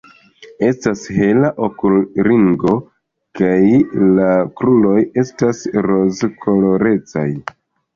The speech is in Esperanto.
Estas hela okulringo kaj la kruroj estas rozkolorecaj.